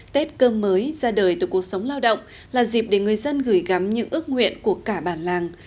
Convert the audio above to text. tết cơm mới ra đời từ cuộc sống lao động là dịp để người dân gửi gắm những ước nguyện của cả bản làng